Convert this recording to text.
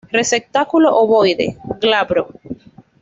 Receptáculo ovoide, glabro.